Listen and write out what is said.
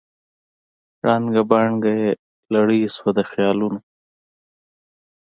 ړنګه بنګه یې لړۍ سوه د خیالونو